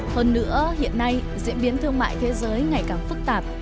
hơn nữa hiện nay diễn biến thương mại thế giới ngày càng phức tạp